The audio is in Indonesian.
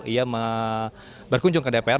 ia berkunjung ke dpr